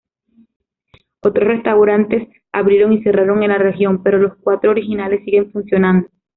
Otros restaurantes abrieron y cerraron en la región, pero los cuatro originales siguen funcionando.